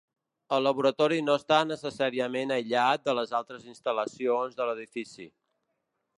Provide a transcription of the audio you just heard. El laboratori no està necessàriament aïllat de les altres instal·lacions de l’edifici.